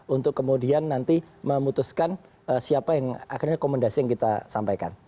untuk kemudian nanti memutuskan siapa yang akhirnya rekomendasi yang kita sampaikan